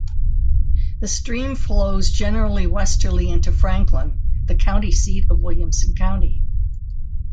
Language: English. The stream flows generally westerly into Franklin, the county seat of Williamson County.